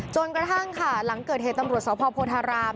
จนกระทั่งค่ะหลังเกิดเหตุตำรวจสพโพธาราม